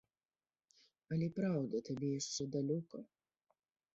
Але, праўда, табе яшчэ далёка.